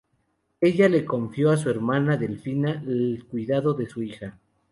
Ella le confió a su hermana, Delfina, el cuidado de su hija.